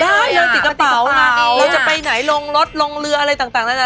ได้เราติกกระเป๋ามาเราจะไปไหนลงรถลงเรืออะไรต่างแล้วนะ